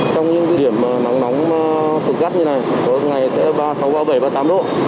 trong những điểm nắng nóng cực gắt như này có ngày sẽ ba mươi sáu ba mươi bảy ba mươi tám độ